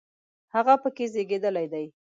هغه په کې زیږېدلی دی.